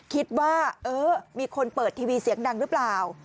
คิดว่าเออมีคนเปิดทีวีเสียงดังหรือเปล่า